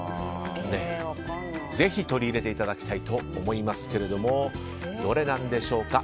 ぜひ取り入れていただきたいと思いますけどもどれなんでしょうか。